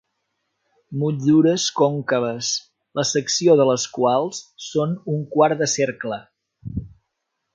Motllures còncaves la secció de les quals són un quart de cercle.